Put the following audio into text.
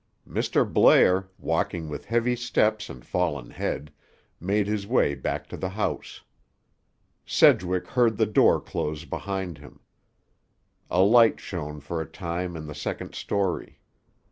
Mr. Blair, walking with heavy steps and fallen head, made his way back to the house. Sedgwick heard the door close behind him. A light shone for a time in the second story.